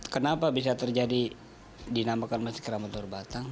kenapa bisa terjadi dinamakan masjid keramat luar batang